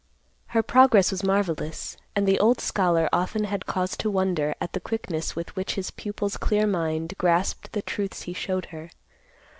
Her progress was marvelous, and the old scholar often had cause to wonder at the quickness with which his pupil's clear mind grasped the truths he showed her.